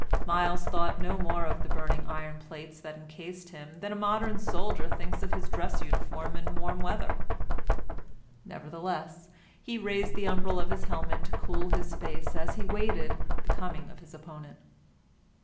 Myles thought no more of the burning iron plates that incased him than a modern soldier thinks of his dress uniform in warm weather. Nevertheless, he raised the umbril of his helmet to cool his face as he waited the coming of his opponent.